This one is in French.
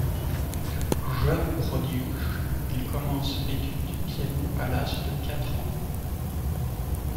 Jeune prodige, il commence l’étude du piano à l’âge de quatre ans.